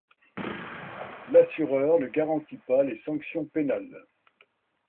L'assureur ne garantit pas les sanctions pénales.